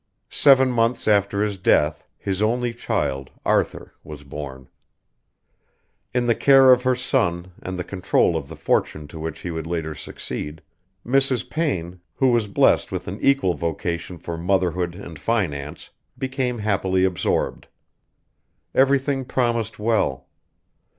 Seven months after his death his only child, Arthur, was born. In the care of her son, and the control of the fortune to which he would later succeed, Mrs. Payne, who was blessed with an equal vocation for motherhood and finance, became happily absorbed. Everything promised well.